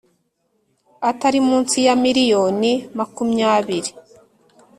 atari munsi ya miliyoni makumyabiri